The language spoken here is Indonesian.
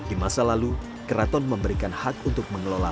di masa lalu keraton memberikan hak untuk mengelola